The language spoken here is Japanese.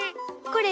これ。